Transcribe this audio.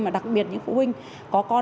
mà đặc biệt những phụ huynh có con